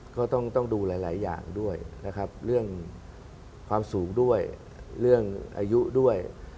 ก็ต้องดูหลายอย่างด้วยนะครับเรื่องความสูงด้วยเรื่องอายุด้วย